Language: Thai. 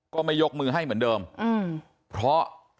ก็ไม่ยกมือให้เหมือนเดิมเพราะ